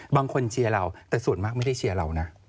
เชียร์เราแต่ส่วนมากไม่ได้เชียร์เรานะ